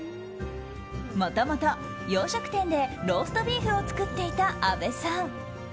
もともと洋食店でローストビーフを作っていた阿部さん。